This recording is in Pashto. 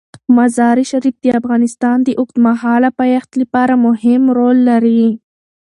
مزارشریف د افغانستان د اوږدمهاله پایښت لپاره مهم رول لري.